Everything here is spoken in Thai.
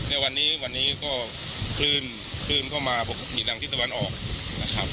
แล้ววันนี้ก็คลื่นเข้ามาถึงทางทิศตะวันออกนะครับ